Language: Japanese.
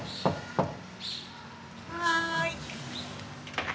はい。